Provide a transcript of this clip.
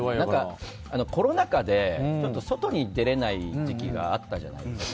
コロナ禍で外に出れない時期があったじゃないですか。